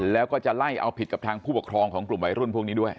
แล้วก็จะไล่เอาผิดกับทางผู้ปกครองของกลุ่มวัยรุ่นพวกนี้ด้วย